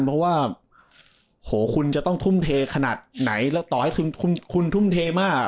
เพราะว่าโหคุณจะต้องทุ่มเทขนาดไหนแล้วต่อให้คุณทุ่มเทมาก